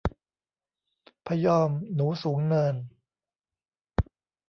พยอม หนูสูงเนิน